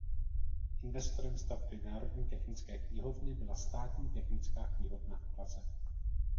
Investorem stavby Národní technické knihovny byla Státní technická knihovna v Praze.